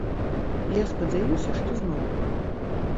Я спадзяюся, што змагу.